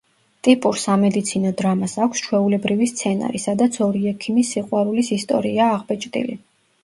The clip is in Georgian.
ტიპურ სამედიცინო დრამას აქვს ჩვეულებრივი სცენარი, სადაც ორი ექიმის სიყვარულის ისტორიაა აღბეჭდილი.